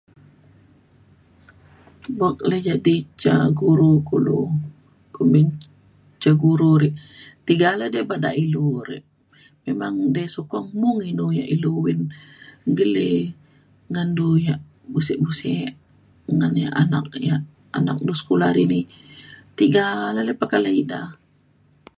buk le jadi ca guru kulu kumbin ca guru ri tiga ale de bada ilu ri. memang de sukong mung inu yak ilu uyan gele ngan du yak use use ngan yak anak anak yak du sekula ri ni. tiga le ale pa pekale ida.